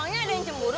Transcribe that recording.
neng aku mau ambil